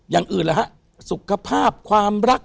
อย่างอื่นล่ะฮะสุขภาพความรัก